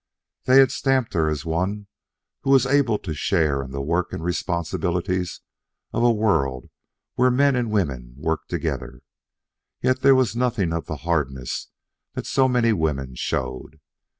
They had stamped her as one who was able to share in the work and responsibilities of a world where men and women worked together. Yet there was nothing of the hardness that so many women showed.